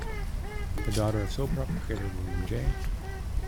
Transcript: The daughter of soap opera creators William J.